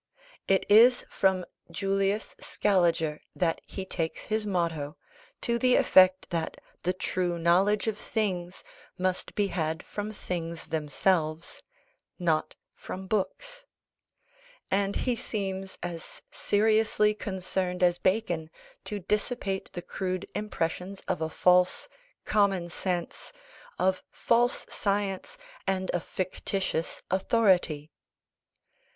It is from Julius Scaliger that he takes his motto, to the effect that the true knowledge of things must be had from things themselves, not from books; and he seems as seriously concerned as Bacon to dissipate the crude impressions of a false "common sense," of false science, and a fictitious authority.